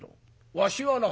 わしはな